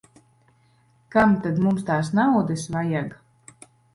Kam tad mums tās naudas vajag.